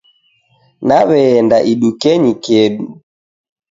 Naweenda idukenyi kedu